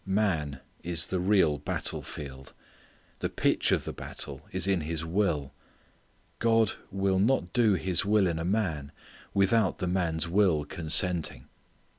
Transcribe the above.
Man is the real battle field. The pitch of the battle is in his will. God will not do His will in a man without the man's will consenting.